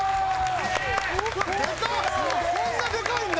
こんなでかいんだ。